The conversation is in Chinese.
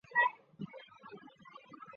该文物保护单位由吉林市文管处管理。